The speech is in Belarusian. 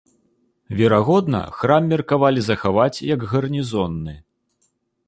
Верагодна, храм меркавалі захаваць як гарнізонны.